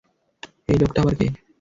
এই লোকটা আবার কে?